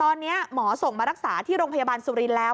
ตอนนี้หมอส่งมารักษาที่โรงพยาบาลสุรินทร์แล้ว